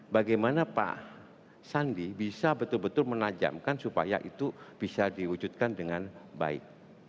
bagaimana pak sandi bisa betul betul menajamkan supaya itu bisa diwujudkan dengan baik